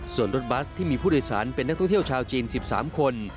ส่วนรถบัสที่มีผู้โดยสารเป็นนักท่องเที่ยวชาวจีน๑๓คน